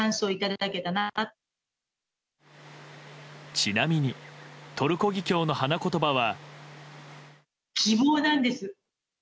ちなみにトルコギキョウの花言葉は。